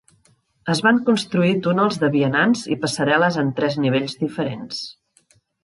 Es van construir túnels de vianants i passarel·les en tres nivells diferents.